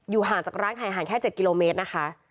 อยู่ห่างจากร้านขายอาหารแค่๗กิโลเมตรนะคะ